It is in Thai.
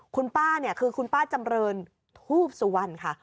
คุณป้าเนี่ยคือคุณป้าจำเรินทูบสุวรรณค่ะ